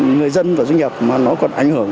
người dân và doanh nghiệp mà nó còn ảnh hưởng